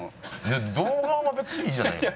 童顔は別にいいんじゃないの？